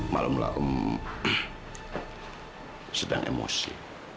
malam lah om sedang emosi